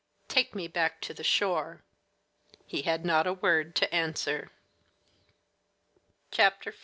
Take me back to the shore." And he had not a word to answer.